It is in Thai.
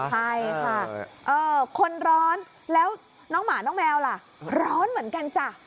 ใช่ค่ะคนร้อนแล้วน้องหมาน้องแมวล่ะร้อนเหมือนกันจ้ะ